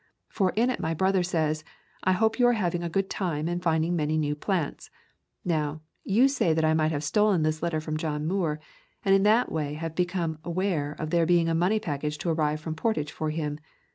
For in it my brother says, 'I hope you are having a good time and finding many new plants.' Now, you say that I might have stolen this letter from John Muir, and in that way have become aware of there being a money package to arrive from Portage for him.